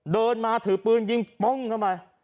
เดินมาถือปืนยิงป่องด์กลับมา